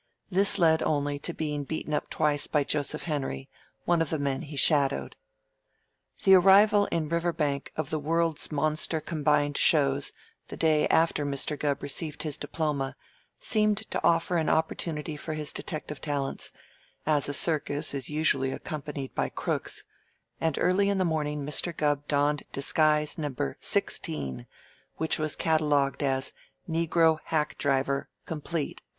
This led only to his being beaten up twice by Joseph Henry, one of the men he shadowed. The arrival in Riverbank of the World's Monster Combined Shows the day after Mr. Gubb received his diploma seemed to offer an opportunity for his detective talents, as a circus is usually accompanied by crooks, and early in the morning Mr. Gubb donned disguise Number Sixteen, which was catalogued as "Negro Hack Driver, Complete, $22.